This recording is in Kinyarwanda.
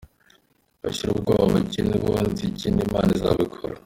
Bashire ubwoba bakine ubundi ibindi Imana izabikora.